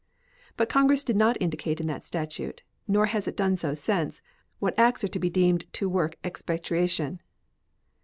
But Congress did not indicate in that statute, nor has it since done so, what acts are to be deemed to work expatriation.